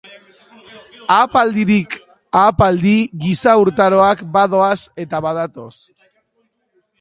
Ahapaldirik ahapaldi giza urtaroak badoaz eta badatoz.